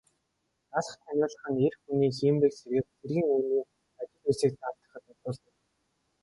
Далха тахиулах нь эр хүний хийморийг сэргээх, цэргийн хүний ажил үйлсийг даатгахад уншуулдаг ном.